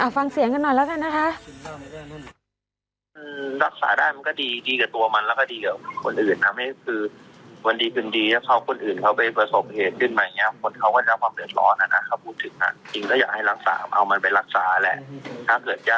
ฟังเสียงกันหน่อยแล้วกันนะคะ